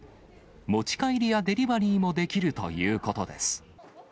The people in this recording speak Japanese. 持ち帰りやデリバリーもできるということです。